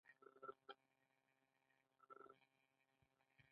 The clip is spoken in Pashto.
سیلابونه زیان رسوي